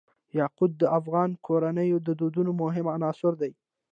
یاقوت د افغان کورنیو د دودونو مهم عنصر دی.